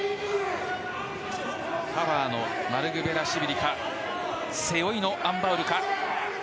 パワーのマルクベラシュビリか背負いのアン・バウルか。